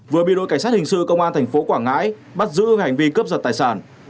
vừa bị đội cảnh sát hình sự công an thành phố quảng ngãi bắt giữ hành vi cướp giật tài sản